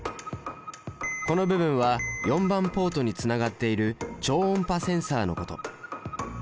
この部分は４番ポートにつながっている超音波センサのこと。